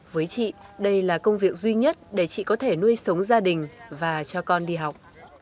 với chị đây là công việc duy nhất để chị có thể nuôi sống gia đình và cho con đi học